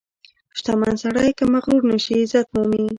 • شتمن سړی که مغرور نشي، عزت مومي.